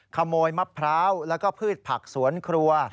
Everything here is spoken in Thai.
ขโมยมะพร้าวแล้วก็พืชผักสวนครัว